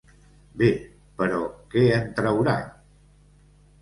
Bé, però què en traurà?